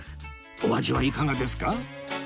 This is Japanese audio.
お味はいかがですか？